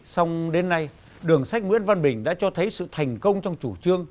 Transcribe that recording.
xong đến nay đường sách nguyễn văn bình đã cho thấy sự thành công trong chủ trương